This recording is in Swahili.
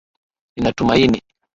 Ninatumaini